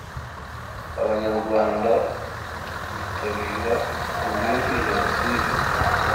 Abanyarwanda bitabira ku bwinshi jenoside